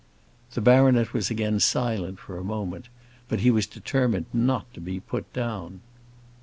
The baronet was again silent for a moment; but he was determined not to be put down.